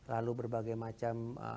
lalu berbagai macam